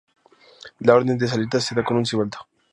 La orden de salida se da con silbato.